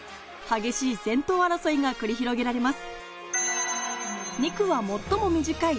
激しい先頭争いが繰り広げられます。